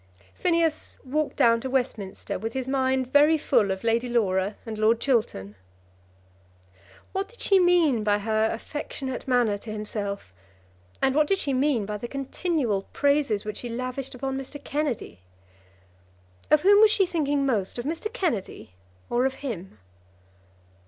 Phineas walked down to Westminster with his mind very full of Lady Laura and Lord Chiltern. What did she mean by her affectionate manner to himself, and what did she mean by the continual praises which she lavished upon Mr. Kennedy? Of whom was she thinking most, of Mr. Kennedy, or of him?